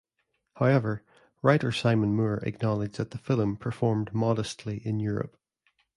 However, writer Simon Moore acknowledged that the film performed modestly in Europe.